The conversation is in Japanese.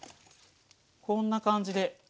こんな感じで。